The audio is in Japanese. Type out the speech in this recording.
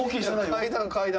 階段、階段。